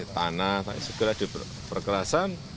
tapi segera diperkerasan